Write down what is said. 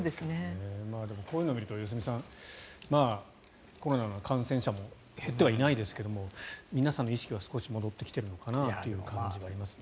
でも、こういうのを見ると良純さんコロナの感染者も減ってはいないですが皆さんの意識は少し戻ってきてるのかなという感じはありますね。